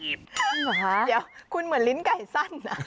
เดี๋ยวคุณเหมือนลิ้นไก่สั้น